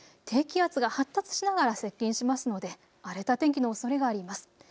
低気圧が発達しながら接近しますので荒れた天気のおそれがあります。